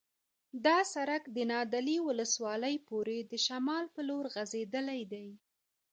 دا سرک د نادعلي ولسوالۍ پورې د شمال په لور غځېدلی دی